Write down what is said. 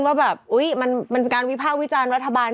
ว่าแบบมันเป็นการวิภาควิจารณ์รัฐบาล